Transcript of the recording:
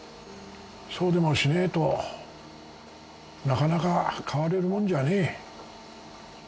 そうでもしねえとなかなか変われるもんじゃねえ